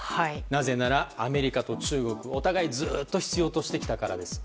なぜなら、アメリカと中国お互いにずっと必要としてきたからです。